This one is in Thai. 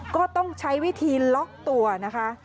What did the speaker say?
ก็ต้องใช้วิธีล็อกตัวนะคะ